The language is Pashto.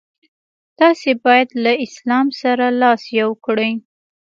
تاسي باید له اسلام سره لاس یو کړئ.